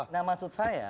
nah maksud saya